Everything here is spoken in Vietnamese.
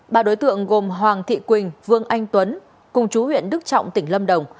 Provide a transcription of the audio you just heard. ba đối tượng gồm hoàng thị quỳnh vương anh tuấn cùng chú huyện đức trọng tỉnh lâm đồng